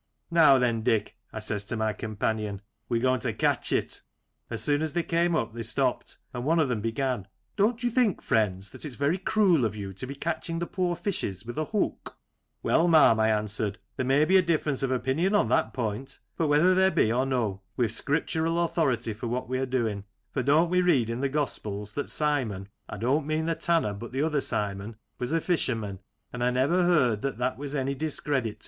"Now then, Dick," I says to my companion, "we're going to catch it !" As soon as they came up they stopped, and one of them began :" Don't you think, friends, that it is very cruel of you to be catching the poor fishes with a hook ?"" Well, ma'am," I answered, " there may be a difference of opinion on that point ; but whether there be or no, we've scriptural authority for what we are doing, for don't we read in the Gospels that Simon — I don't mean the tanner, but the other Simon — was a fisherman, and I never heard that that was any discredit An Ambrosial Noon.